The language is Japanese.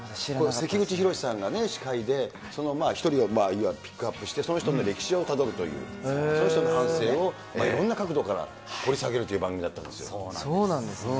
関口ひろしさんが司会で、１人をピックアップして、その人の歴史をたどるという、その人の半生をいろんな角度から掘り下げるという番組だったんでそうだったんですね。